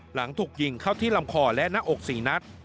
หลังถูกยิงเข้าที่ลำคอและหน้าอก๔นัด